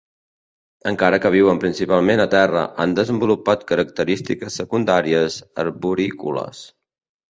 Encara que viuen principalment a terra, han desenvolupat característiques secundàries arborícoles.